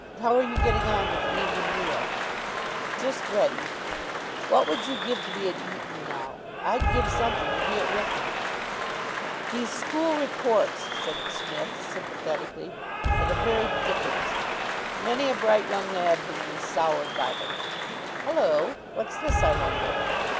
How are you getting on with the evening meal?" "Just ready. What would you give to be at Eton now? I'd give something to be at Wrykyn." "These school reports," said Psmith sympathetically, "are the very dickens. Many a bright young lad has been soured by them. Hullo. What's this, I wonder."